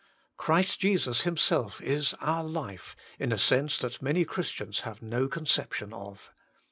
Christ Jesus Himself is our life, in a sense that many Christians have no conception of.